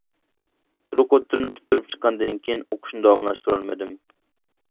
تولۇق ئوتتۇرىنى پۈتتۈرۈپ چىققاندىن كېيىن ئوقۇشنى داۋاملاشتۇرالمىدىم.